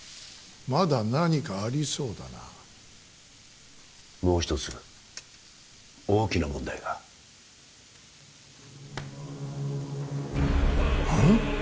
まだ何かありそうだなもう一つ大きな問題がうん？